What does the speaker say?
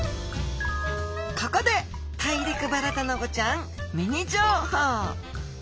ここでタイリクバラタナゴちゃんミニ情報！